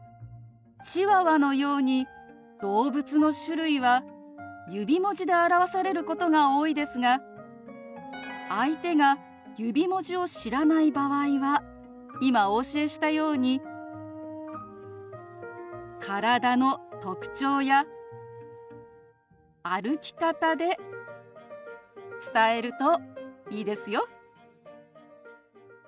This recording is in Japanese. チワワのように動物の種類は指文字で表されることが多いですが相手が指文字を知らない場合は今お教えしたように体の特徴や歩き方で伝えるといいですよ。